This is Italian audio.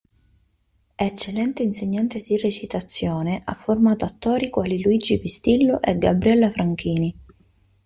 Eccellente insegnante di recitazione ha formato attori quali Luigi Pistillo e Gabriella Franchini.